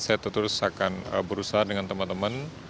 saya tentu saja akan berusaha dengan teman teman